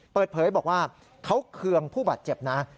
เปิดเผยบอกว่าเขาเคืองผู้บาดเจ็บนะ